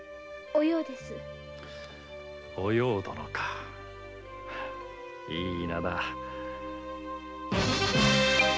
お葉殿かいい名だ。